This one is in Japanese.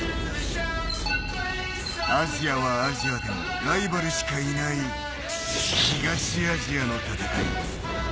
アジアはアジアでもライバルしかいない東アジアの戦い。